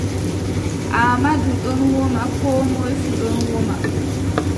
Aamadu ɗon woma Koo moy fuu ɗon woma.